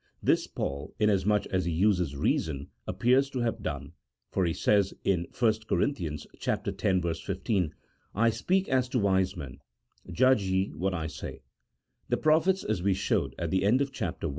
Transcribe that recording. This Paul, inasmuch as he uses reason, appears to have done, for he says in 1 Cor. x. 15, "I speak as to wise men, judge ye what I say." The prophets, as we showed at the end of Chapter I.